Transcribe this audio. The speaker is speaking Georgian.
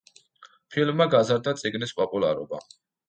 ფილმმა გაზარდა წიგნის პოპულარობა.